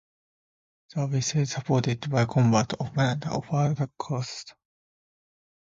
The vessels supported combat operations off the coast.